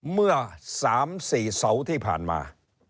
เมื่อ๓๔เสาร์ที่ผ่านมา